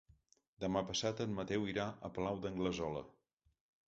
Demà passat en Mateu irà al Palau d'Anglesola.